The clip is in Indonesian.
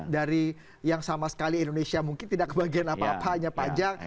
dari yang sama sekali indonesia mungkin tidak kebagian apa apa hanya panjang